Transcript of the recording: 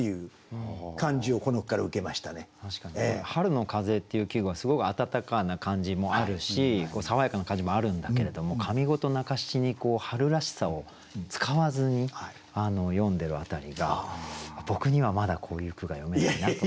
確かに「春の風」っていう季語はすごく暖かな感じもあるし爽やかな感じもあるんだけれども上五と中七に春らしさを使わずに詠んでる辺りが僕にはまだこういう句が詠めないなと。